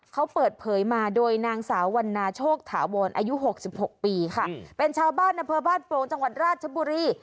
เขาเปิดเผยมาโดยนางสาววันนาโชคถาวรอายุ๖๖ปีค่ะเป็นชาวบ้านอำเภอบ้านโปรงจังหวัดราชบุรี